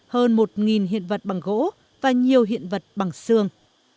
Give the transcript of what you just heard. hơn một hiện vật bằng gỗ và nhiều hiện vật bằng xương